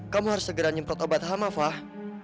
kamu harus segera nyemprot obat hama fah